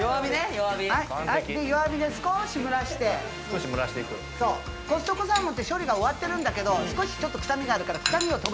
弱火弱火で少し蒸らして・少し蒸らしていくコストコサーモンって処理が終わってるんだけど少しちょっと臭みがあるから